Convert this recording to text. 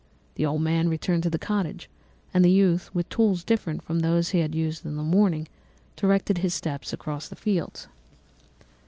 The old man returned to the cottage, and the youth, with tools different from those he had used in the morning, directed his steps across the fields.